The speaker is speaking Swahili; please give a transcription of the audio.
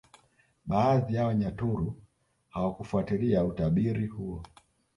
Baadhi ya Wanyaturu hawakufuatilia utabiri huo